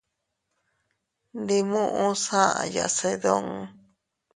Ndi muʼus aʼaya se duun.